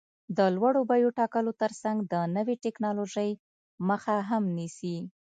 د لوړو بیو ټاکلو ترڅنګ د نوې ټکنالوژۍ مخه هم نیسي.